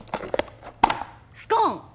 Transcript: スコーン！